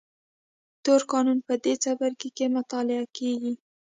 تور قانون په دې څپرکي کې مطالعه کېږي.